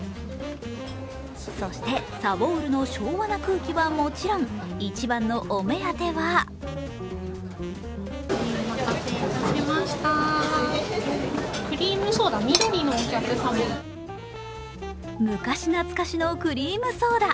そして、さぼうるの昭和な空気はもちろん、一番のお目当ては昔懐かしのクリームソーダ。